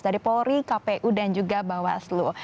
dari polri kpu dan juga bawaslu